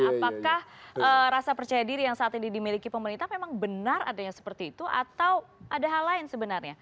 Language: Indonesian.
apakah rasa percaya diri yang saat ini dimiliki pemerintah memang benar adanya seperti itu atau ada hal lain sebenarnya